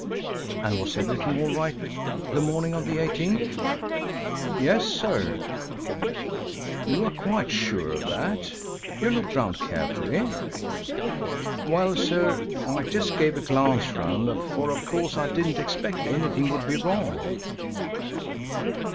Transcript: "And was everything all right the morning of the 18th?" "Yes, sir." "You are quite sure of that? You looked round carefully?" "Well, sir, I just gave a glance round, for of course I didn't expect anything would be wrong."